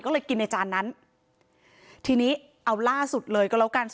ก็เลยกินในจานนั้นทีนี้เอาล่าสุดเลยก็แล้วกัน